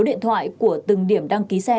điện thoại của từng điểm đăng ký xe